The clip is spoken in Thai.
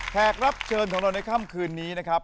แขกรับเชิญของเราในค่ำคืนนี้นะครับ